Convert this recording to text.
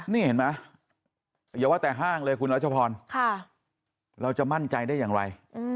นี่เห็นไหมอย่าว่าแต่ห้างเลยคุณรัชพรเราจะมั่นใจได้อย่างไร